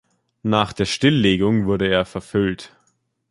Nach der Stilllegung wurde er verfüllt.